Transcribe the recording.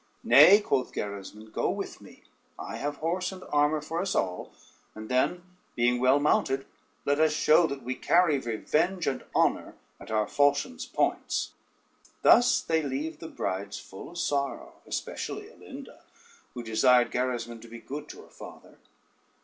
"Nay," quoth Gerismond, "go with me; I have horse and armor for us all, and then, being well mounted, let us show that we carry revenge and honor at our falchions' points." Thus they leave the brides full of sorrow, especially Alinda, who desired Gerismond to be good to her father.